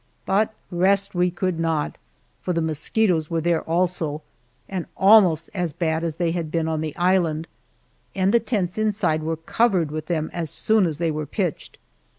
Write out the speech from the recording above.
But rest we could not, for the mosquitoes were there also, and almost as bad as they had been on the island, and the tents inside were covered with them as soon as they were pitched.